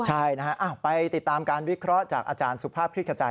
ใช่นะฮะไปติดตามการวิเคราะห์จากอาจารย์สุภาพคลิกขจาย